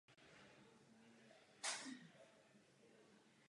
U hladkého povrchu kuliček je snadná.